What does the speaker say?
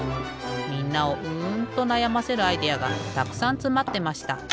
みんなをうんとなやませるアイデアがたくさんつまってました。